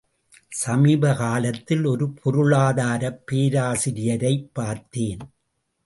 சமீப காலத்தில் ஒரு பொருளாதாரப் பேராசிரியரைப் பார்த்தேன்.